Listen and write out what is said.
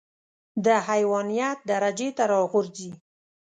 د حيوانيت درجې ته راغورځي.